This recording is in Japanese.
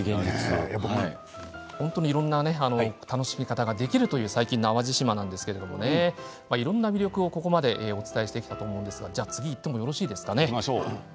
いろいろな楽しみ方ができるという最近の淡路島なんですけれどもいろんな魅力をここまでお伝えしてきましたが次にいってもよろしいでしょうか。